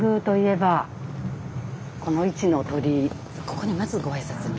ここにまずご挨拶に。